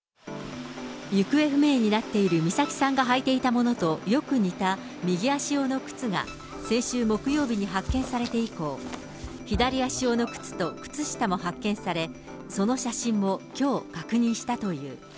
行方不明になっている美咲さんが履いていたものとよく似た右足用の靴が、先週木曜日に発見されて以降、左足用の靴と靴下も発見され、その写真もきょう、確認したという。